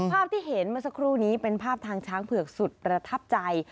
ภาพที่เห็นเมื่อสักครู่นี้เป็นภาพทางช้างเผือกสุดประทับใจ